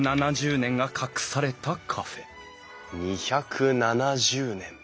２７０年？